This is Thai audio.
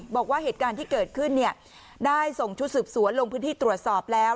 บอกว่าเหตุการณ์ที่เกิดขึ้นได้ส่งชุดสืบสวนลงพื้นที่ตรวจสอบแล้ว